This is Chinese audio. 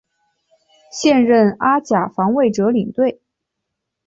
现任阿甲防卫者领队。